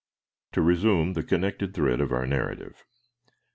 To resume the connected thread of our narrative.